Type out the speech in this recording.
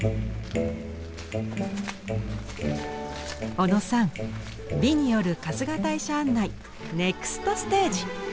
小野さん美による春日大社案内ネクストステージ！